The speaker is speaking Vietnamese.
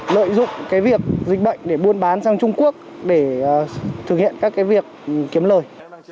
lợi dụng việc dịch bệnh để buôn bán sang trung quốc để thực hiện các việc kiếm lời